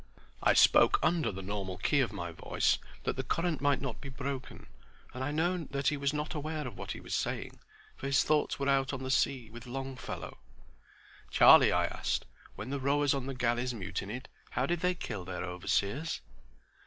I spoke under the normal key of my voice that the current might not be broken, and I know that he was not aware of what he was saying, for his thoughts were out on the sea with Longfellow. "Charlie," I asked, "when the rowers on the galleys mutinied how did they kill their overseers?"